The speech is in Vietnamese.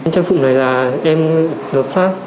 trong phụ này là em được pháp